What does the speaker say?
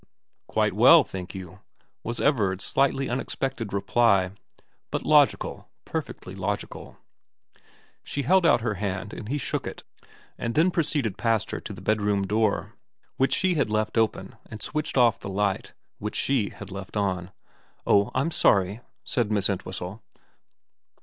' Quite well thank you,* was Everard's slightly unexpected reply ; but logical, perfectly logical. She held out her hand and he shook it, and then pro ceeded past her to her bedroom door, which she had left open, and switched off the light, which she had left on. * Oh I'm sorry,' said Miss Entwhistle.